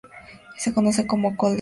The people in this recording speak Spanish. Se conoce como "col de risco".